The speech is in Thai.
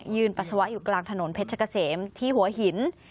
ปัสสาวะอยู่กลางถนนเพชรเกษมที่หัวหิน